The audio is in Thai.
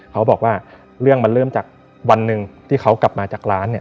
เขาบอกว่าเรื่องมันเริ่มจากวันหนึ่งที่เขากลับมาจากร้านเนี่ย